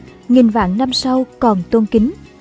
dần trong chờ nghìn vạn năm sau còn tôn kính